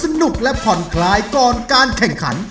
ที่ทำให้ทุกคนสนุกและผ่อนคลายก่อนการแข่งขัน